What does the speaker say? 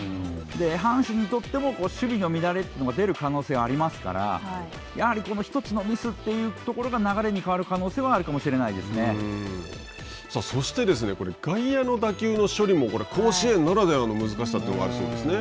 阪神にとっても守備の乱れというのが出る可能性がありますから、やはり１つのミスというところが流れに変わる可能性はそして、外野の打球の処理も甲子園ならではの難しさというのがあるそうですね。